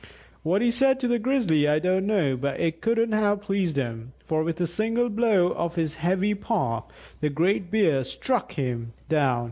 What he said to the Grizzly I don't know, but it couldn't have pleased him, for with a single blow of his heavy paw the great Bear struck him down.